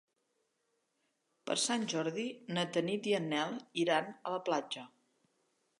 Per Sant Jordi na Tanit i en Nel iran a la platja.